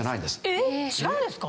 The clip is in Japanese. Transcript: えっ違うんですか？